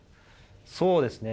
そうですね。